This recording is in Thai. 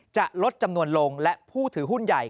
จะลดจำนวนลงและผู้ถือหุ้นใหญ่